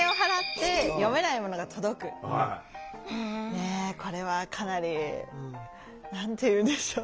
ねえこれはかなり何て言うんでしょう。